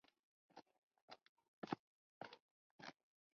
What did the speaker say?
Ahora hay dos bloques de estado de ánimo.